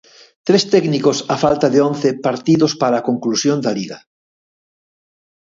Tres técnicos a falta de once partidos para a conclusión da Liga.